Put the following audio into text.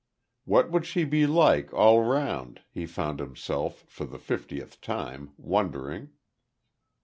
What would she be like, all round, he found himself, for the fiftieth time, wondering?